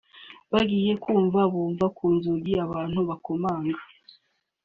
Bagiye kumva bumva ku nzugi abantu bakomanga